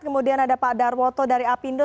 kemudian ada pak darwoto dari apindo